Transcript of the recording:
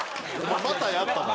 またやったな。